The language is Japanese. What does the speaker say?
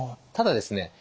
ただですね